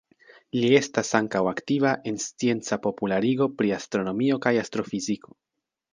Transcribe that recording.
Li estas ankaŭ aktiva en scienca popularigo pri astronomio kaj astrofiziko.